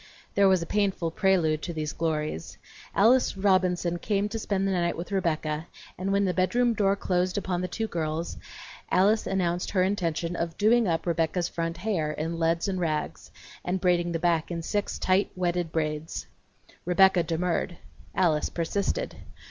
There was a painful prelude to these glories. Alice Robinson came to spend the night with Rebecca, and when the bedroom door closed upon the two girls, Alice announced here intention of "doing up" Rebecca's front hair in leads and rags, and braiding the back in six tight, wetted braids. Rebecca demurred. Alice persisted.